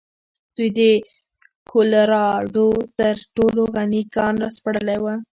دوی د کولراډو تر ټولو غني کان راسپړلی و.